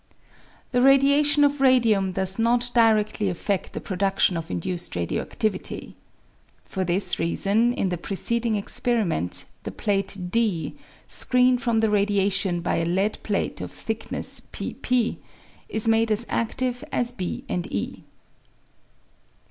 The radiation of radium does not diredly afted the pro duction of induced radio adivity. For this reason, in the preceding experiment the plate D, screened from the radia tion by a lead plate of thickness, p P, is made as adive as B and e.